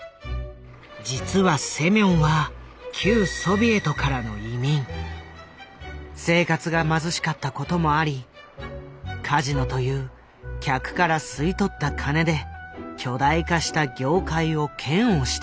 実はセミョンは生活が貧しかったこともありカジノという客から吸い取った金で巨大化した業界を嫌悪していたのだ。